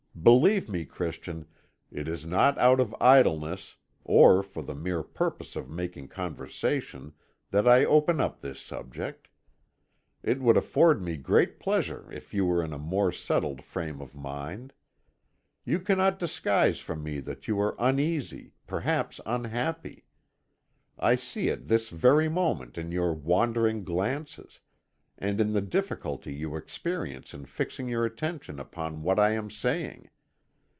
Believe me, Christian, it is not out of idleness, or for the mere purpose of making conversation that I open up this subject. It would afford me great pleasure if you were in a more settled frame of mind. You cannot disguise from me that you are uneasy, perhaps unhappy. I see it this very moment in your wandering glances, and in the difficulty you experience in fixing your attention upon what I am saying.